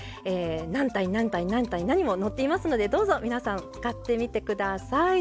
何：何：何：何も載っていますのでどうぞ皆さん使ってみて下さい。